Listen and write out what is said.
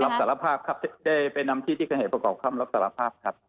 รับสารภาพครับได้ไปนำที่ที่เกิดเหตุประกอบคำรับสารภาพครับ